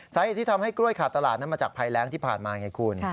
สาเหตุที่ทำให้กล้วยขาดตลาดนั้นมาจากภัยแรงที่ผ่านมาไงคุณ